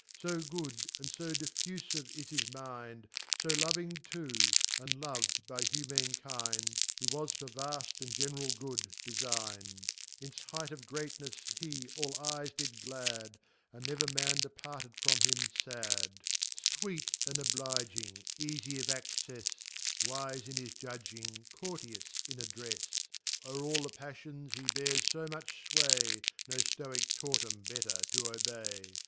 So good and fo diffufive is his Mind, So loving td, and lov'd by Humane kind, He was for vail and general good defign'd. Ins height of Greatnefs he all eyes did glad, And never Man departed from him fad. C 2 Sweet Sweet and obliging, eaiie of accefs a Wife in his Judging, courteous in addrefs. Ore all the Paffions he bears fomnch fway, No Stoic^ taught cm better to obey.